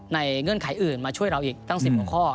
เงื่อนไขอื่นมาช่วยเราอีกตั้ง๑๐กว่าข้อ